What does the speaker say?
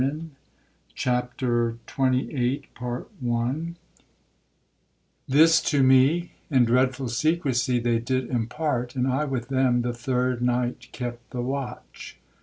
—' CHAPTER XXVIII —This to me In dreadful secrecy they did impart, And I with them the third night kept the watch.